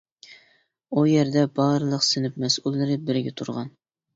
ئۇ يەردە بارلىق سىنىپ مەسئۇللىرى بىرگە تۇرغان.